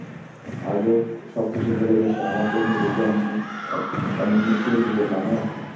আজ ও সবকিছু ভুলে গেছে, আমাকে, নিজেকে এমনকি নিজের নামও।